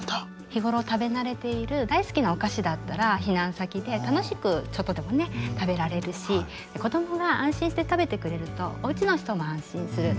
日頃食べ慣れている大好きなお菓子だったら避難先で楽しくちょっとでもね食べられるし子供が安心して食べてくれるとおうちの人も安心する。